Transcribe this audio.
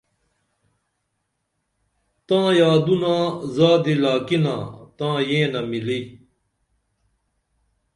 تاں یادونا زادی لاکِنا تاں یینہ مِلی